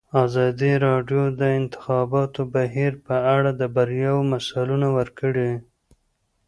ازادي راډیو د د انتخاباتو بهیر په اړه د بریاوو مثالونه ورکړي.